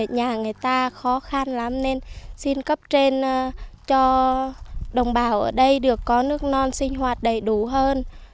nhà người ta khó khăn lắm nên xin cấp trên cho đồng bào ở đây được có nước non sinh hoạt đầy đủ hơn